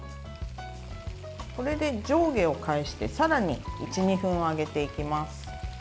これで上下を返してさらに１２分揚げていきます。